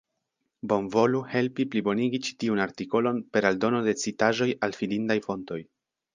Bonvolu helpi plibonigi ĉi tiun artikolon per aldono de citaĵoj al fidindaj fontoj.